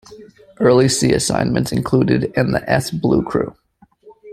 Early sea assignments included and the s blue crew.